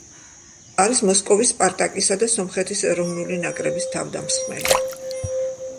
არის მოსკოვის „სპარტაკისა“ და სომხეთის ეროვნული ნაკრების თავდამსხმელი.